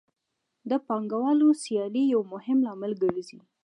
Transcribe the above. د پانګوالو سیالي یو مهم لامل ګرځي